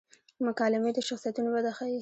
مکالمې د شخصیتونو وده ښيي.